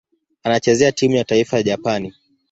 Anachezea timu ya taifa ya Japani.